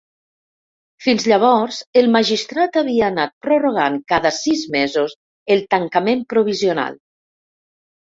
Fins llavors, el magistrat havia anat prorrogant cada sis mesos el tancament provisional.